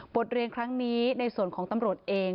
เรียนครั้งนี้ในส่วนของตำรวจเอง